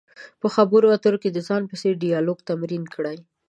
په خبرو اترو کې د ځان په څېر ډیالوګ تمرین کړئ.